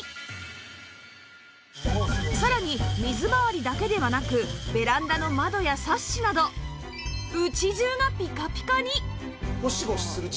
さらに水回りだけではなくベランダの窓やサッシなど家中がピカピカに！